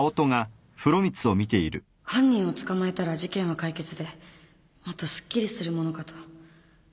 犯人を捕まえたら事件は解決でもっとすっきりするものかと